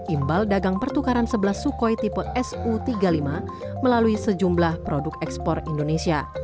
imbal dagang pertukaran sebelas sukhoi tipe su tiga puluh lima melalui sejumlah produk ekspor indonesia